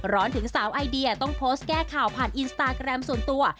ร้อนถึงสาวไอเดียต้องโพสต์แก้ข่าวผ่านอินสตาแกรมส่วนตัว